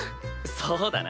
そうだな。